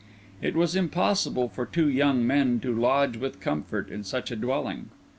It was impossible for two young men to lodge with comfort in such a dwelling.